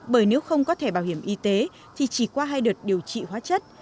bởi nếu không có thẻ bảo hiểm y tế thì chỉ qua hai đợt điều trị hóa chất